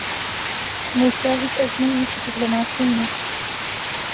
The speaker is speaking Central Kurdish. مووسا هیچ ئەزموونێکی دیپلۆماسی نییە.